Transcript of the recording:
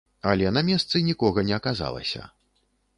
Але на месцы нікога не аказалася.